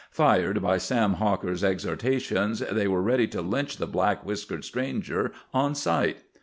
Fired by Sam Hawker's exhortations, they were ready to lynch the black whiskered stranger on sight.